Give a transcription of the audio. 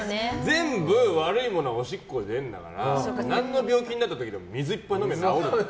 全部悪いものはおしっこで出るんだから何の病気になった時でも水いっぱい飲めば治る。